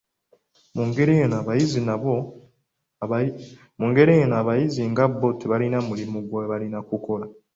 Mu ngeri eno abayizi nga bbo tebaalina mulimu gwe baalina kukola.